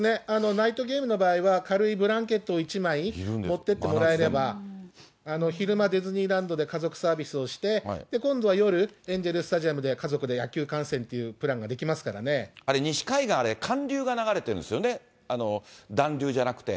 ナイトゲームの場合は軽いブランケットを１枚持っていってもらえれば、昼間、ディズニーランドで家族サービスをして、今度は夜、エンゼルスタジアムで家族で野球観戦っていうプランができますか西海岸、あれ、寒流が流れてるんですよね、暖流じゃなくて。